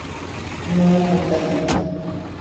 No hay fantasmas.